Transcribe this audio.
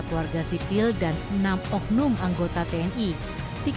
empat warga sipil dan enam oknum anggota tni